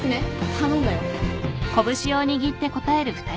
頼んだよ。